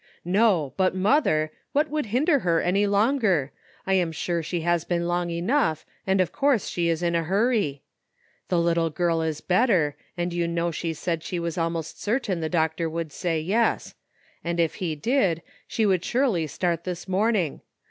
"No; but, mother, what could hinder her any longer? I am sure she has been long enough, and of course she is in a hurry. The little girl is better, and you know she said she was almost certain the doctor would say yes ; and if he did she would surely start this morn ing.